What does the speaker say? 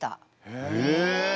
へえ！